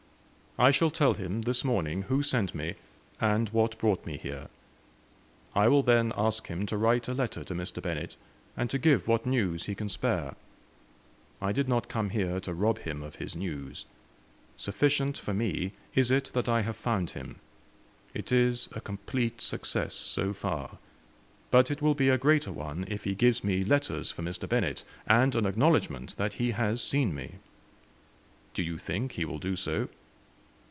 "I shall tell him this morning who sent me, and what brought me here. I will then ask him to write a letter to Mr. Bennett, and to give what news he can spare. I did not come here to rob him of his news. Sufficient for me is it that I have found him. It is a complete success so far. But it will be a greater one if he gives me letters for Mr. Bennett, and an acknowledgment that he has seen me." "Do you think he will do so?"